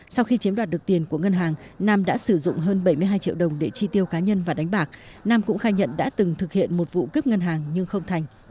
sau khi chiếm đoạt được tiền của ngân hàng nam đã sử dụng hơn bảy mươi hai triệu đồng để chi tiêu cá nhân và đánh bạc nam cũng khai nhận đã từng thực hiện một vụ cướp ngân hàng nhưng không thành